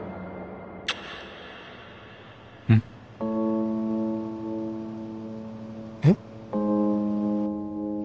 うん？えっ？